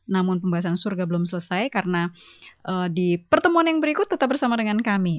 namun pembahasan surga belum selesai karena di pertemuan yang berikut tetap bersama dengan kami